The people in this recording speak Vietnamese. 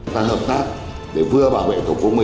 chúng ta hợp tác để vừa bảo vệ thủ phú mỹ